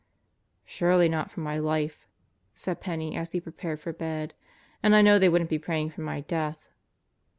"Surely not for my life," said Penney as he prepared for bed. "And I know they wouldn't be praying for my death."